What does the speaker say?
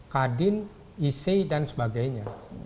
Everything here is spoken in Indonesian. kadin ise dan sebagainya